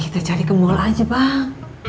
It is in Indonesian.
kita cari ke mall aja bang